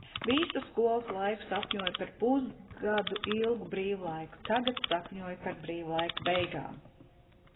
Visu skolas laiku sapņoju par pusgadu ilgu brīvlaiku. Tagad sapņoju par brīvlaika beigām.